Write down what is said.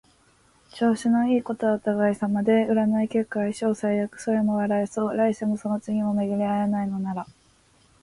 元の姿が失われ、全く違うものになっていることなどよくあることだった